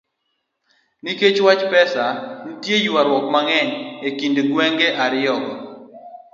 Nikech wach pesa, nitie ywaruok mang'eny e kind gwenge ariyogo